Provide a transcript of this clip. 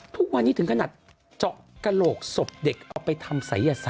ทุกวันนี้ถึงขนาดเจาะกระโหลกศพเด็กเอาไปทำศัยศาส